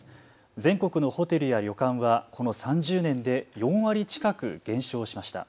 全国のホテルや旅館はこの３０年で４割近く減少しました。